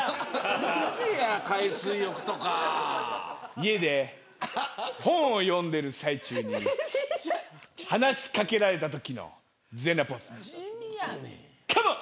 家で本を読んでる最中に話し掛けられたときの全裸ポーズカモン。